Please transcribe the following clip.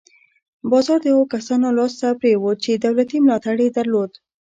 بازار د هغو کسانو لاس ته پرېوت چې دولتي ملاتړ یې درلود.